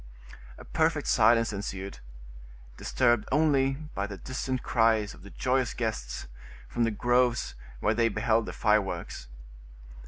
A perfect silence ensued, disturbed only by the distant cries of the joyous guests, from the groves whence they beheld the fireworks.